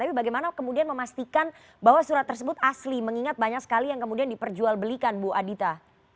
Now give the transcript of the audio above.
tapi bagaimana kemudian memastikan bahwa surat tersebut asli mengingat banyak sekali yang kemudian diperjualbelikan bu adita